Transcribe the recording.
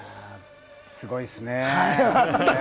すごいっすね。